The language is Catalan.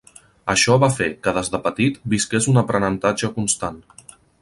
Això va fer que, des de petit, visqués un aprenentatge constant.